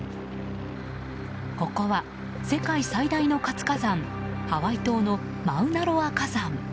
ここは、世界最大の活火山ハワイ島のマウナロア火山。